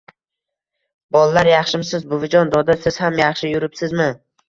Bollar: yaxshimisiz buvijon, doda siz ham yaxshi yuribsizmi?